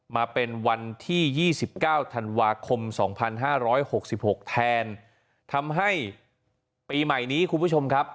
มาเป็นวันที่ยี่สิบเก้าธันวาคมสองพันห้าร้อยหกสิบหกแทนทำให้ปีใหม่นี้คุณผู้ชมครับ